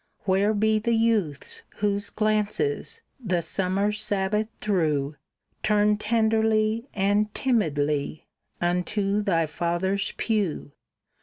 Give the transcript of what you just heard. Where be the youths whose glances, the summer Sabbath through, Turned tenderly and timidly unto thy father's pew?